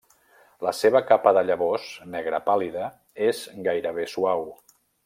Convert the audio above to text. La seva capa de llavors negra pàl·lida és gairebé suau.